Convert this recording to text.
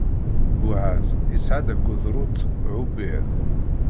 Buɛaz isɛa-d akked Rut Ɛubid.